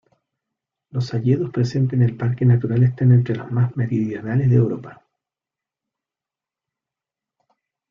Los hayedos presentes en el parque natural están entre los más meridionales de Europa.